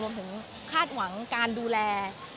รวมถึงคาดหวังการดูแล